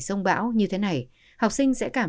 sông bão như thế này học sinh sẽ cảm